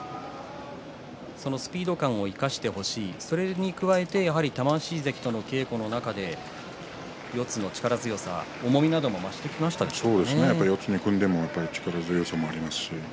そのスピード感を生かして、それに加えて玉鷲関との稽古の中で四つの力強さが重みの方も増してきましたか。